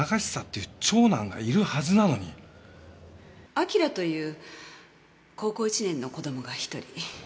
輝という高校１年の子供が１人。